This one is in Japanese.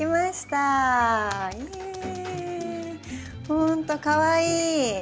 ほんとかわいい！